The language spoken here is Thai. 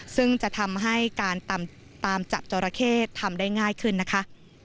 ซึ่งจะทำให้การตามจับจราเข้ทำได้ง่ายขึ้นนะคะ